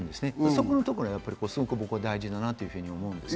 そこのところはすごく大事だなと思います。